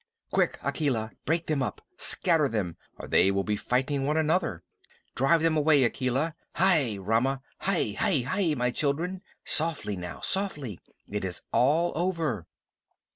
"Quick, Akela! Break them up. Scatter them, or they will be fighting one another. Drive them away, Akela. Hai, Rama! Hai, hai, hai! my children. Softly now, softly! It is all over."